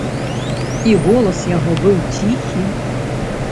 І голас яго быў ціхі.